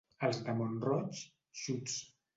Els de Mont-roig, xuts.